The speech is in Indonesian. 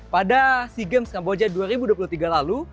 pada sea games kamboja dua ribu dua puluh tiga lalu